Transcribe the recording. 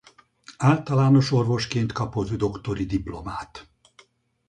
Általános orvosként kapott doktori diplomát.